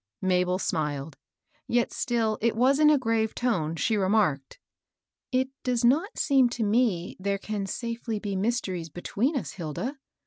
" Mabel smiled ; yet still it was in a grave tone she remarked, — "It does not seem to me there can safely be mysteries between us, Hilda.